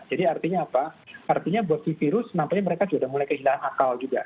jadi artinya apa artinya buat si virus nampaknya mereka sudah mulai kehilangan akal juga